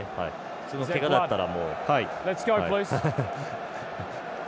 普通の、けがだったら。